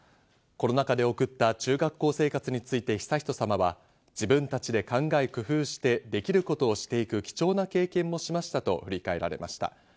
コロナ禍で送った中学校生活について悠仁さまは自分たちで考え工夫して、できることをしていく貴重な経験もしましたと振り返えられました。